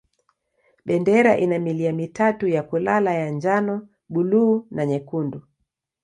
Bendera ina milia mitatu ya kulala ya njano, buluu na nyekundu.